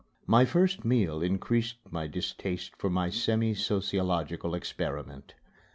My first meal increased my distaste for my semi sociological experiment.